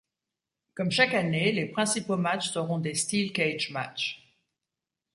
Comme chaque année, les principaux matchs seront des Steel Cage matchs.